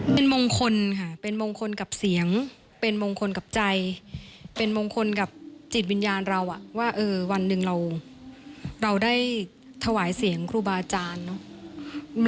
เป็นมงคลค่ะเป็นมงคลกับเสียงเป็นมงคลกับใจเป็นมงคลกับจิตวิญญาณเราว่าวันหนึ่งเราได้ถวายเสียงครูบาอาจารย์เนอะ